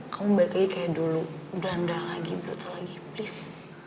kamu balik lagi kayak dulu belanda lagi brutal lagi please